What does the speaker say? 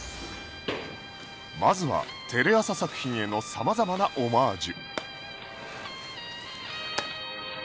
まずはテレ朝作品への様々なオマージュ